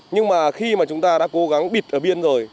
nhưng mà khi mà chúng ta đã cố gắng bịt ở biên rồi